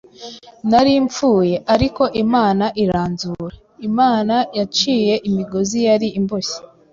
Nari mfuye, ariko Imana iranzura! Imana yaciye imigozi yari imboshye,